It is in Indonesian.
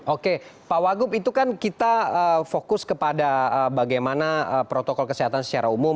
oke pak wagub itu kan kita fokus kepada bagaimana protokol kesehatan secara umum